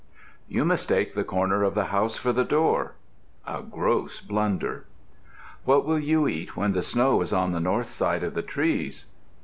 You mistake the corner of the house for the door. A gross blunder. What will you eat when the snow is on the north side of the trees?